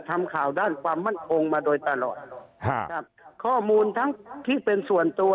ทำข่าวด้านความมั่นคงมาโดยตลอดครับครับข้อมูลทั้งที่เป็นส่วนตัว